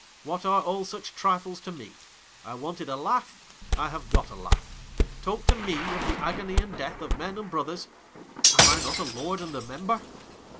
What are all such trifles to me 1 I wanted a laugh ; I have got a laugh. Talk to me of the agony and death of men and brothers ! Am I not a Lord and a Member